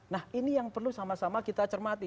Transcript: nah ini yang perlu sama sama kita cermati